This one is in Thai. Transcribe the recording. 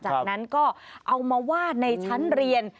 จากนั้นก็เอามาวาดในชั้นเรียน